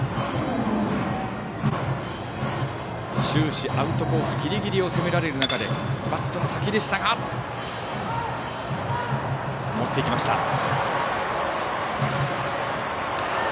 終始、アウトコースギリギリを攻められる中でバットの先でしたが持っていきました。